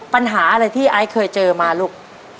ปัญหาอะไรที่ไอซ์เคยเจอมาลูก